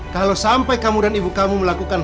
kalau sampai kamu dan ibu kamu melakukan